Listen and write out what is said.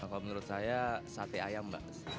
kalau menurut saya sate ayam mbak